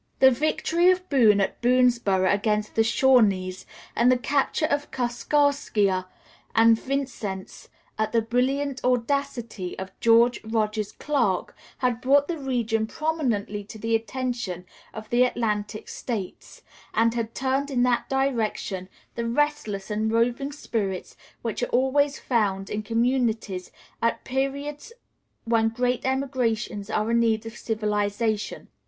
The victory of Boone at Boonesboro' against the Shawnees, and the capture of Kaskaskia and Vincennes by the brilliant audacity of George Rogers Clark, had brought the region prominently to the attention of the Atlantic States, and had turned in that direction the restless and roving spirits which are always found in communities at periods when great emigrations are a need of civilization.